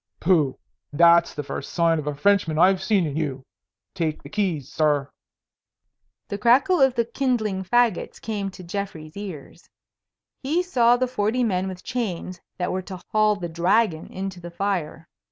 "Pooh! That's the first sign of a Frenchman I've seen in you. Take the keys, sir." The crackle of the kindling fagots came to Geoffrey's ears. He saw the forty men with chains that were to haul the Dragon into the fire.